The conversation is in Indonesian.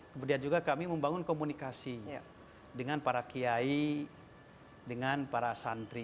kemudian juga kami membangun komunikasi dengan para kiai dengan para santri